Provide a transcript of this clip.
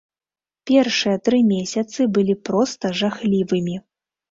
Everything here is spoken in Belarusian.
Першыя тры месяцы былі проста жахлівымі.